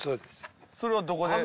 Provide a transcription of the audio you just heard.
それはどこで？